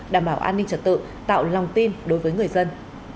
đảm bảo an ninh trật tự tạo lòng tin đối với người dân